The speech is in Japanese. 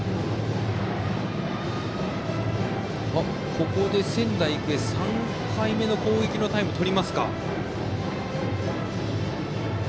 ここで仙台育英は３回目の攻撃のタイムを取ります。